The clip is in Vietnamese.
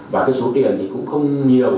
và số tiền cũng không nhiều